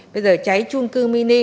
bây giờ cháy trung cư mini